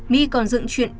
mỹ còn dựng chuyện